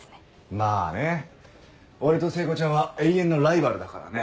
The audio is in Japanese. まぁね俺と聖子ちゃんは永遠のライバルだからね。